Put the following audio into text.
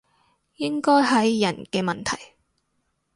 應該係人嘅問題